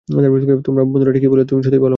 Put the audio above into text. তোমার বন্ধুরা ঠিকিই বলে, তুমি সত্যিই ভাল বন্ধু।